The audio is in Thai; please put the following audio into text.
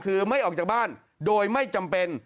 คือไม่ออกจากบ้านโดยไม่จำเป็น